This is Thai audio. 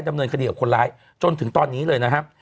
ดำเนินคดีกับคนร้ายจนถึงตอนนี้เลยนะครับ